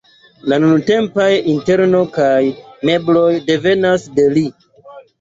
La nuntempaj interno kaj mebloj devenas de li.